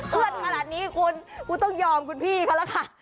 เพื่อนขนาดนี้คุณคุณต้องยอมคุณพี่เขาแล้วค่ะ